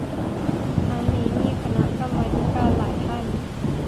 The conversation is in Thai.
ทั้งมีนีคณะกรรมาธิการหลายท่าน